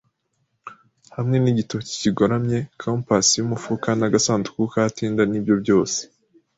hamwe nigitoki kigoramye, compasse yumufuka, nagasanduku ka tinder nibyo byose